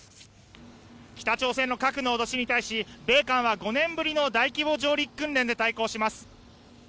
「北朝鮮の核の脅しに対し米韓は５年ぶりの大規模上陸訓練で対抗します」